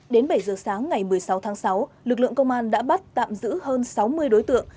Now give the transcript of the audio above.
đến bảy giờ sáng ngày một mươi sáu tháng sáu lực lượng công an đã bắt tạm giữ hơn sáu mươi đối tượng